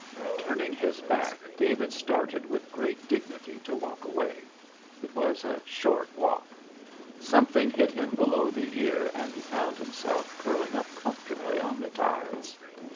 Turning his back David started with great dignity to walk away. It was a short walk. Something hit him below the ear and he found himself curling up comfortably on the ties.